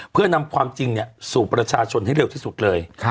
เพื่อนำความจริงสู่ประชาชนให้เร็วที่สุดเลย